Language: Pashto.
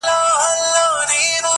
پاچهۍ له غوړه مالو پرزېدلي-